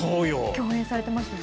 共演されてましたよね。